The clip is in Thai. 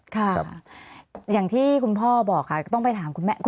ค่ะอย่างที่คุณพ่อบอกค่ะก็ต้องไปถามคุณแม่